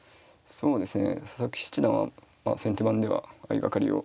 そうですね。